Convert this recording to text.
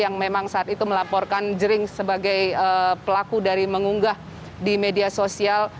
yang memang saat itu melaporkan jering sebagai pelaku dari mengunggah di media sosial